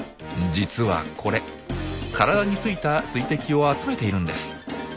実はこれ体についた水滴を集めているんです。